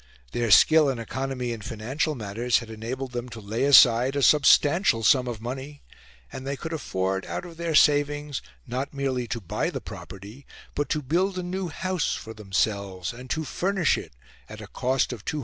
Their skill and economy in financial matters had enabled them to lay aside a substantial sum of money; and they could afford, out of their savings, not merely to buy the property but to build a new house for themselves and to furnish it at a cost of L200,000.